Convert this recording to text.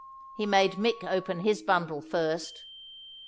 He made Mick open his bundle first.